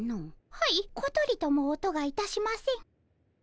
はいことりとも音がいたしません。